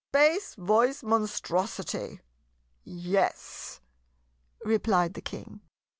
"Bass voice Monstrosity! yes," replied the King.